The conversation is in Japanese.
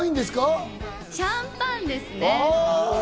シャンパンです。